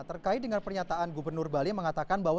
terkait dengan pernyataan gubernur bali yang mengatakan bahwa